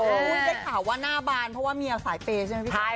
ได้ข่าวว่าหน้าบานเพราะว่าเมียสายเปย์ใช่ไหมพี่แจ๊